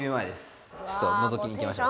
ちょっとのぞきに行きましょう。